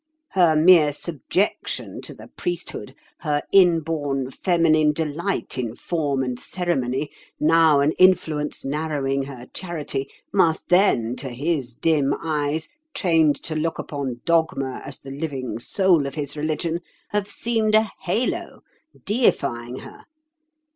Her mere subjection to the priesthood, her inborn feminine delight in form and ceremony—now an influence narrowing her charity—must then, to his dim eyes, trained to look upon dogma as the living soul of his religion, have seemed a halo, deifying her.